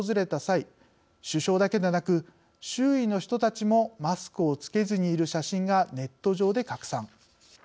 首相だけでなく周囲の人たちもマスクを着けずにいる写真がネット上で拡散。